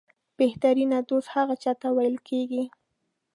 بهترینه دوست هغه چاته ویل کېږي